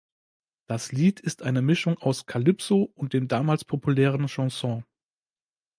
Das Lied ist eine Mischung aus Calypso und dem damals populären Chanson.